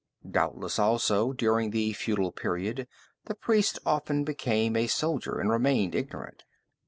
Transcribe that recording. Doubtless, also, during the feudal period the priest often became a soldier, and remained ignorant.